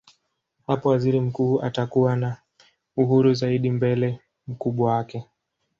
Hapo waziri mkuu atakuwa na uhuru zaidi mbele mkubwa wake.